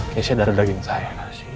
keisha darah daging saya